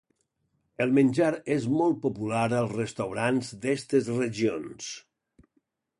El menjar és molt popular als restaurants d'estes regions.